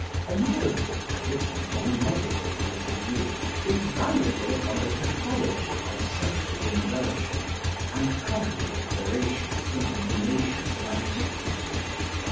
Another book, written from a medical point of view, is valuable upon the pathology of sexual inversion and cognate aberrations among the nations of antiquity.